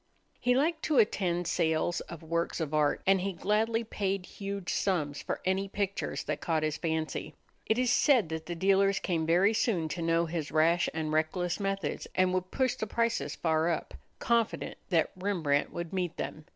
He liked to attend sales of works of art, and he gladly paid huge sums for any pictures that caught his fancy. It is said that the dealers came very soon to know his rash and reckless methods and would push the prices far up, confident that Rembrandt would meet them.